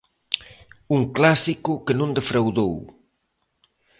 Un clásico que non defraudou.